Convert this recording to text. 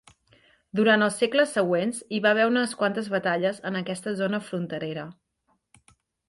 Durant els segles següents hi va haver unes quantes batalles en aquesta zona fronterera.